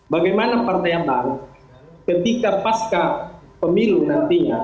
bagaimana partai abang ketika pasca pemilu nantinya